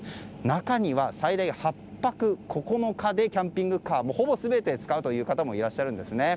中には最大８泊９日でキャンピングカーをほぼ全て使うという方もいらっしゃるんですね。